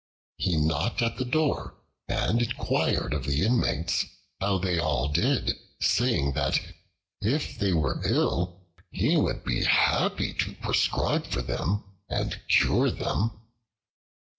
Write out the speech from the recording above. He knocked at the door and inquired of the inmates how they all did, saying that if they were ill, he would be happy to prescribe for them and cure them.